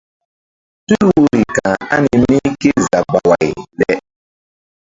Tul woiri ka̧h ani mí ké zabaway le?